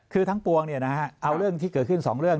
คือทั้งปวงเอาเรื่องที่เกิดขึ้น๒เรื่อง